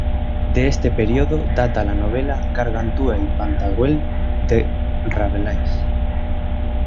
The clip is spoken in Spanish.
De este periodo data la novela "Gargantúa y Pantagruel" de Rabelais.